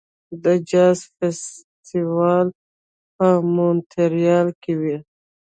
د جاز فستیوال په مونټریال کې وي.